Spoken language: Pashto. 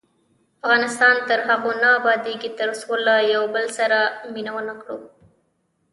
افغانستان تر هغو نه ابادیږي، ترڅو له یو بل سره مینه ونه کړو.